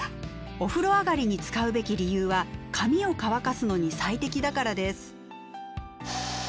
お風呂上がりに使うべき理由は髪を乾かすのに最適だからです。